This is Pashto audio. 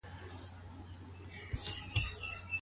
ولي لېواله انسان د هوښیار انسان په پرتله هدف ترلاسه کوي؟